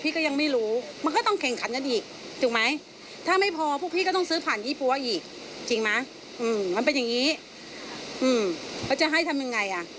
คุณจะให้ทำยังไงอ่ะ